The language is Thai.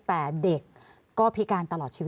แต่เด็กก็พิการตลอดชีวิต